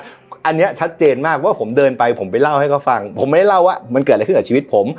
อันนี้ชัดเจนมากว่าผมเดินไปผมไปเล่าให้เขาฟังผมไม่ได้เล่าว่ามันเกิดอะไรขึ้นกับชีวิตผม